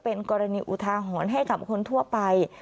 เป็นกรณีอุทาหรณ์ให้กับคนทั่วไป